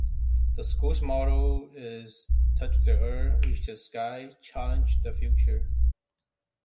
The school's motto is 'Touch the earth, reach the sky, challenge the future'.